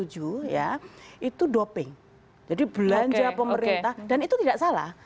jadi belanja pemerintah dan itu tidak salah